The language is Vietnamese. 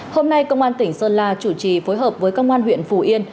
hôm nay công an tỉnh sơn la chủ trì phối hợp với công an huyện phù yên